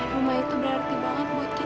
rumah itu berarti banget